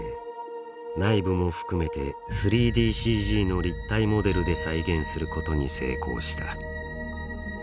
内部も含めて３ＤＣＧの立体モデルで再現することに成功した。